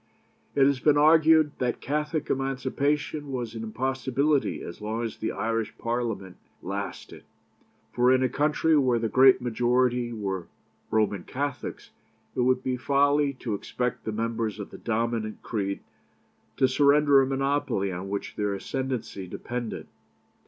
It has been argued that Catholic Emancipation was an impossibility as long as the Irish Parliament lasted; for in a country where the great majority were Roman Catholics, it would be folly to expect the members of the dominant creed to surrender a monopoly on which their ascendency depended.